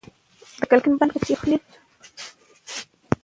د مېلو له برکته خلک د خپل هنر له لاري د خوښۍ پیغام خپروي.